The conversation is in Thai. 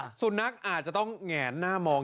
สุนัขอาจจะต้องแงนหน้ามอง